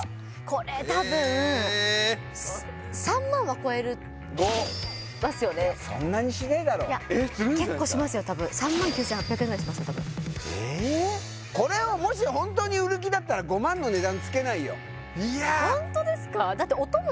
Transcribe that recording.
これ多分３万は超える５ますよねえっするんじゃないすか結構しますよ多分３万９８００円ぐらいしますよ多分えーっこれをもしホントに売る気だったら５万の値段つけないよいやホントですか？